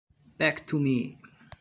Back to Me